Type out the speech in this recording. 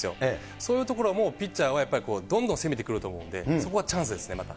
そういうところも、ピッチャーはやっぱりどんどん攻めてくると思うんで、そこがチャンスですね、また。